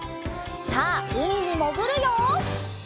さあうみにもぐるよ！